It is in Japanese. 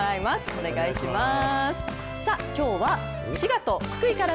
お願いします。